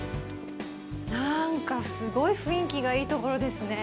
なんかすごい雰囲気がいいところですね。